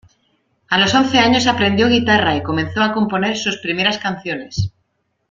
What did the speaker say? A los once años aprendió guitarra y comenzó a componer sus primeras canciones.